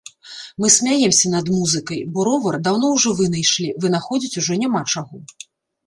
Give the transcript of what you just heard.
Мы смяемся над музыкай, бо ровар даўно ўжо вынайшлі, вынаходзіць ужо няма чаго.